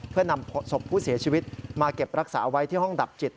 เพื่อนำศพผู้เสียชีวิตมาเก็บรักษาไว้ที่ห้องดับจิต